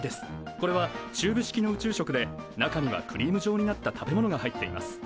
これはチューブ式の宇宙食で中にはクリーム状になった食べ物が入っています。